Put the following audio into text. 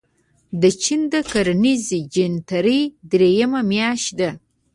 د چين د کرنیزې جنترې درېیمه میاشت ده.